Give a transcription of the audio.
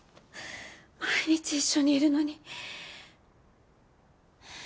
毎日一緒にいるのに。